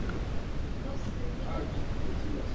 El tipo climático local es semitropical continental.